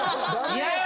嫌や！